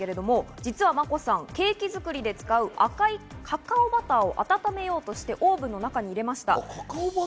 実はマコさん、ケーキ作りで使う赤いカカオバターを温めようとしてオーブンの中に入れました。